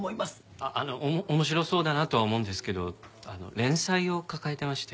あっあの面白そうだなとは思うんですけど連載を抱えてまして今。